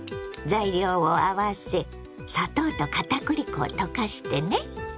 材料を合わせ砂糖とかたくり粉を溶かしてね。